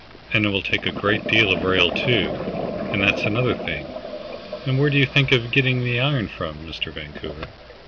And it will take a deal of rail, too, and that's another thing. And where do you think of getting the iron from, Mr. Vancouver?"